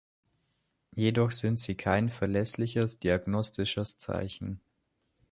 Jedoch sind sie kein verlässliches diagnostisches Zeichen.